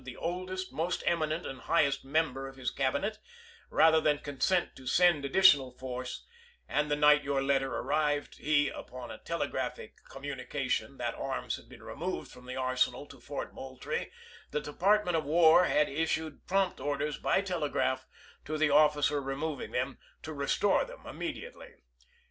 the oldest, most eminent, and highest member of his Cab inet, rather than consent to send additional force, and the night before your letter arrived, he,1 upon a telegraphic communication that arms had been removed from the arsenal to Fort Moultrie, the Department of War had issued prompt orders by telegraph to the officer removing them, to restore them immediately.